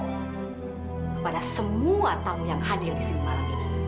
kepada semua tamu yang hadir di sini malam ini